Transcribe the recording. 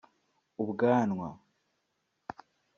ubwanwa